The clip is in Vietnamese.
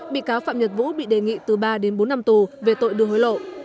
bị cáo phạm nhật vũ bị đề nghị từ ba đến bốn năm tù về tội đưa hối lộ